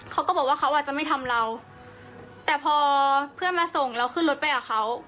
เขาก็บอกว่าเขาอาจจะไม่ทำเราแต่พอเพื่อนมาส่งเราขึ้นรถไปกับเขา